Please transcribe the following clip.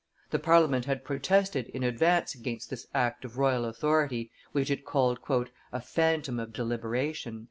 The Parliament had protested in advance against this act of royal authority, which it called "a phantom of deliberation."